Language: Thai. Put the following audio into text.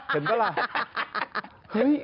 เห้ยแบบทำไมเนี่ย